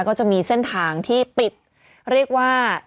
ก็จะมีเส้นทางที่ปิดเรียกว่า